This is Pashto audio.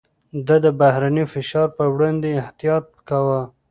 ده د بهرني فشار پر وړاندې احتياط کاوه.